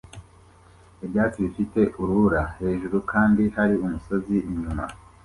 Ibyatsi bifite urubura hejuru kandi hari umusozi inyuma